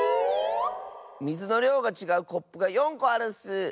みずのりょうがちがうコップが４こあるッス。